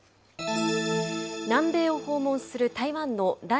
南米を訪問する台湾の頼